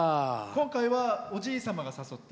今回はおじい様が誘って。